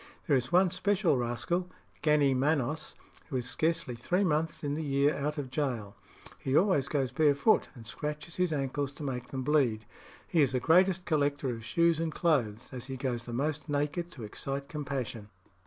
There is one special rascal, Gannee Manos, who is scarcely three months in the year out of gaol. He always goes barefoot, and scratches his ankles to make them bleed. He is the greatest collector of shoes and clothes, as he goes the most naked to excite compassion."